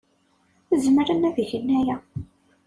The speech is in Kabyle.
Zemren ad gen aya.